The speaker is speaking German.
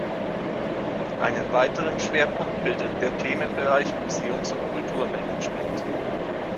Einen weiteren Schwerpunkt bildet der Themenbereich Museums- und Kulturmanagement.